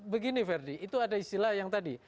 begini verdi itu ada istilah yang tadi